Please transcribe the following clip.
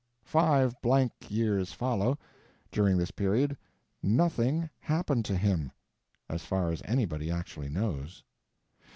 Five blank years follow. During this period nothing happened to him, as far as anybody actually knows.